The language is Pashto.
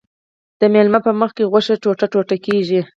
د میلمه په مخکې غوښه ټوټه کیږي.